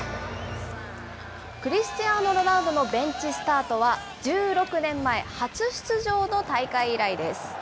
クリスチアーノ・ロナウドのベンチスタートは、１６年前、初出場の大会以来です。